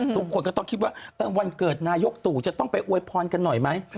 ทุกคนก็ต้องคิดว่าวันเกิดนายกตู่จะต้องไปอวยพรกันหน่อยไหม